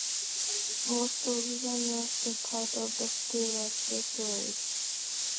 Most of the northern part of the city was destroyed.